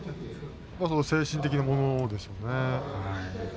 精神的なものでしょうね。